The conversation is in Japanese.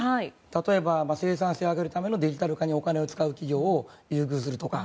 例えば生産性を上げるためにデジタル化にお金を使う企業を優遇するとか。